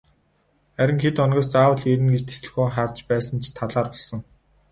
Харин хэд хоногоос заавал ирнэ гэж тэсэлгүй харж байсан ч талаар болсон.